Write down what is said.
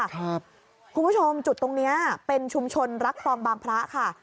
คุณผู้ชมจุดตรงนี้เป็นชุมชนรักคลองบางพระค่ะ